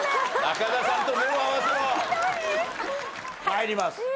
参ります。